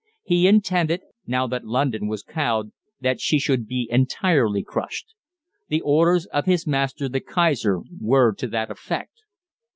He intended, now that London was cowed, that she should be entirely crushed. The orders of his master the Kaiser were to that effect.